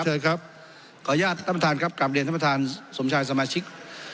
เชิญครับขออนุญาตท่านประธานครับกลับเรียนท่านประธานสมชายสมาชิก